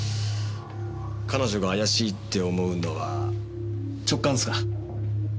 彼女が怪しいって思うのは直感っすか？